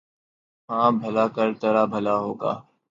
ہاں بھلا کر ترا بھلا ہوگا